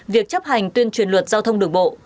việc chấp hành tuyên truyền luật giao thông đường bộ